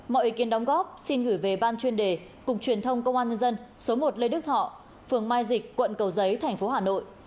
mọi ý kiến đóng góp xin gửi về ban chuyên đề cục truyền thông công an nhân dân số một lê đức thọ phường mai dịch quận cầu giấy thành phố hà nội